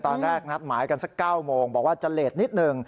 นัดหมายกันสัก๙โมงบอกว่าจะเลสนิดหนึ่ง